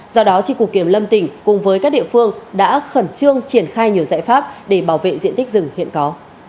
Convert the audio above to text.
do đó tri cục kiểm lâm tỉnh cùng với các địa phương đã khẩn trương triển khai nhiều giải pháp để bảo vệ diện tích rừng hiện có